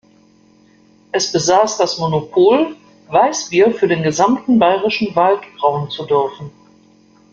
Es besaß das Monopol, Weißbier für den gesamten Bayerischen Wald brauen zu dürfen.